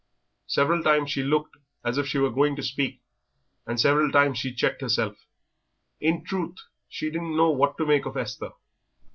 Several times she looked as if she were going to speak, and several times she checked herself. In truth, she didn't know what to make of Esther.